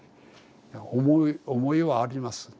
思いはあります。